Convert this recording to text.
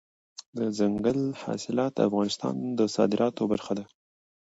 دځنګل حاصلات د افغانستان د صادراتو برخه ده.